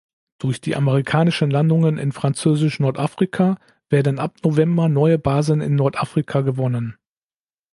Durch die amerikanischen Landungen in Französisch-Nordafrika werden ab November neue Basen in Nordafrika gewonnen.